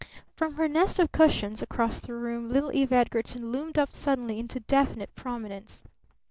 From her nest of cushions across the room little Eve Edgarton loomed up suddenly into definite prominence.